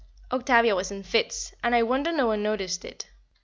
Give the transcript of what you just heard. _". Octavia was in fits, and I wonder no one noticed it.